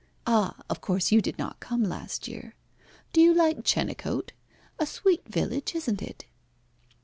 Ah! of course you did not come last year. Do you like Chenecote? A sweet village, isn't it?"